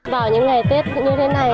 vào những ngày tết như thế này